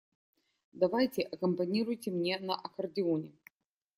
Давайте аккомпанируйте мне на аккордеоне.